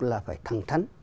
là phải thẳng thắn